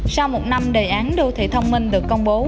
sau một năm đề án đô thị thông minh được công bố